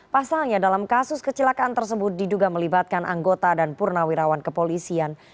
pasalnya dalam kasus kecelakaan tersebut diduga melibatkan anggota dan purnawirawan kepolisian